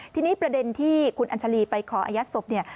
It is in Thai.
ทีนี้ประเด็นที่คุณอัญชาลีไปขออายัดศพเนี่ย